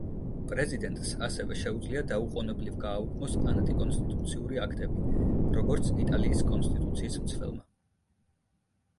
პრეზიდენტს ასევე შეუძლია დაუყოვნებლივ გააუქმოს ანტიკონსტიტუციური აქტები, როგორც იტალიის კონსტიტუციის მცველმა.